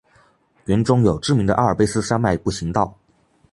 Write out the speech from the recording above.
园中有知名的阿尔卑斯山脉步行道。